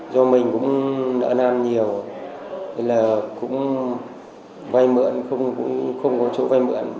do mình cũng nợ nam nhiều nên là cũng vay mượn không có chỗ vay mượn